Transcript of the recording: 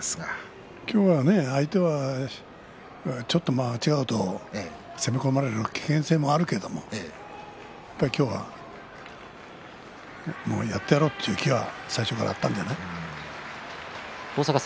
今日は相手はちょっと間違うと攻め込まれる危険性もあるけれど今日は、もうやってやろうという気は最初からあったんじゃないかな。